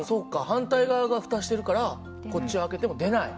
反対側がふたしてるからこっち開けても出ない。